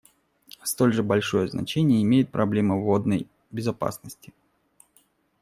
Столь же большое значение имеет проблема водной безопасности.